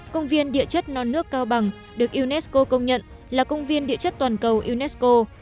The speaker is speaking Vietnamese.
công viên địa chất non nước cao bằng được unesco công nhận là công viên địa chất toàn cầu unesco